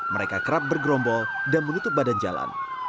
mereka kerap bergerombol dan menutup badan jalan